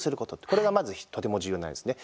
これが、まずとても重要なんですね。